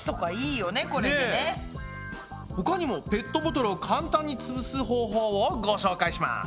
他にもペットボトルを簡単につぶす方法をご紹介します。